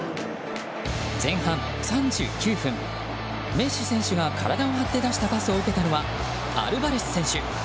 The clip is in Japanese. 前半３９分、メッシ選手が体を張って出したパスを受けたのは、アルヴァレス選手。